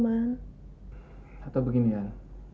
atau begini yan